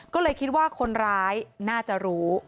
ก็เลยคิดว่าคนร้ายน่าจะรู้